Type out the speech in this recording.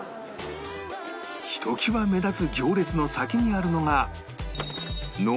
ひときわ目立つ行列の先にあるのが